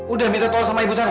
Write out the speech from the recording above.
udah minta tolong sama ibu sana